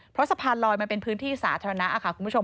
เพราะสะพานลอยมันเป็นพื้นที่สาธารณะค่ะคุณผู้ชม